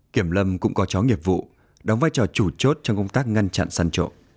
kiểm lâm cũng có chó nghiệp vụ đóng vai trò chủ chốt trong công tác ngăn chặn săn trộm